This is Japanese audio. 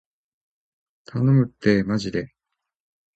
頼むってーまじで